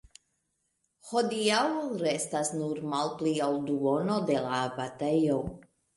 Hodiaŭ restas nur malpli ol duono de la abatejo.